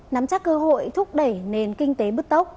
nắm chắc cơ hội thúc đẩy nền kinh tế bứt tốc